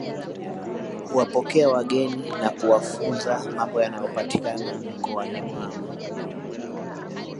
Huwapokea wageni na kuwafunza mambo yanayopatikana mkoani mwao